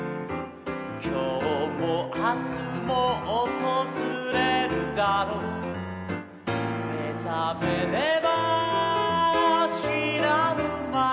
「きょうもあすもおとずれるだろう」「めざめればしらぬまに」